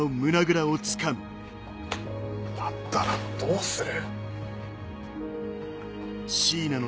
だったらどうする？